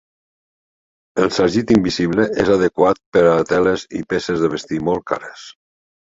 El sargit invisible és adequat per a teles i peces de vestir molt cares.